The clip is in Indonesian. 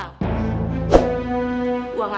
uang gak ada di luar sana